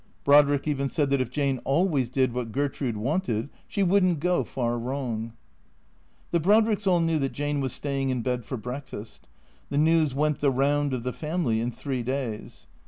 Brodrick even said that if Jane al ways did what Gertrude wanted she would n't go far wrong. The Brodricks all knew that Jane was staying in bed for breakfast. The news went the round of the family in three days.